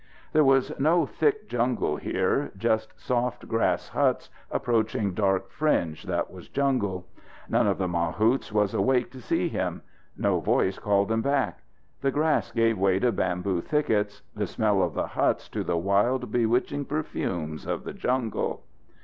There was no thick jungle here just soft grass, huts, approaching dark fringe that was jungle. None of the mahouts was awake to see him. No voice called him back. The grass gave way to bamboo thickets, the smell of the huts to the wild, bewitching perfumes of the jungle.